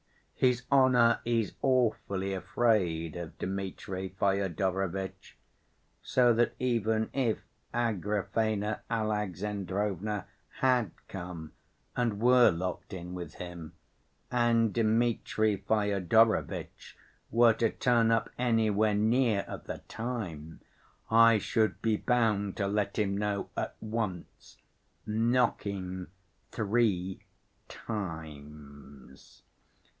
His honor is awfully afraid of Dmitri Fyodorovitch, so that even if Agrafena Alexandrovna had come and were locked in with him, and Dmitri Fyodorovitch were to turn up anywhere near at the time, I should be bound to let him know at once, knocking three times.